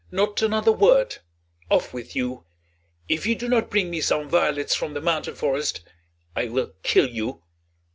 "Not another word; off with you. If you do not bring me some violets from the mountain forest, I will kill you."